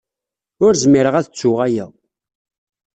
Ur zmireɣ ara ad ttuɣ aya.